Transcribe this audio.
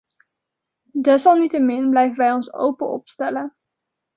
Desalniettemin blijven wij ons open opstellen.